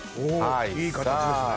いい形ですね。